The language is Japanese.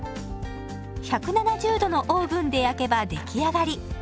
１７０度のオーブンで焼けば出来上がり。